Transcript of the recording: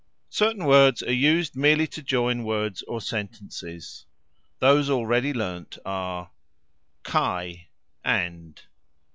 Certain words are used merely to join words or sentences. Those already learned are: kaj : and.